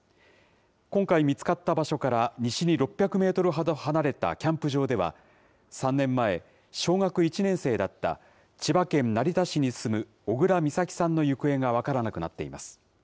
今回、見つかった場所から西に６００メートルほど離れたキャンプ場では、３年前、小学１年生だった千葉県成田市に住む小倉美咲さんの行方が分からなくなっています。